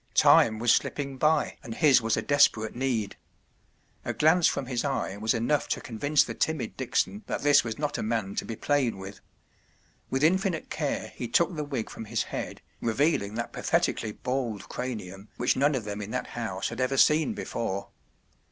Time was slipping by and his was a desperate need* A glance from his eye was enough to convince the timid Dickson that this was not a man to be played with. With infinite care he took the wig from his head, revealing that patheti¬ cally bald cranium which none of them in that house had ever seen before.